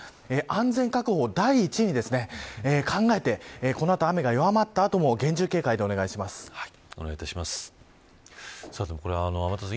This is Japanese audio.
安全確保を第一に考えてこの後雨が弱まった後も厳重警戒でお願いします。